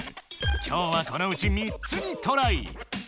今日はこのうち３つにトライ！